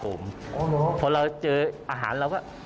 อ๋อเหรอเพราะเจออาหารของเราว่า